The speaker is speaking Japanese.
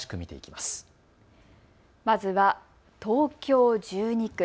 まずは東京１２区。